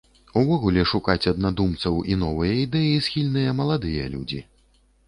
Увогуле, шукаць аднадумцаў і новыя ідэі схільныя маладыя людзі.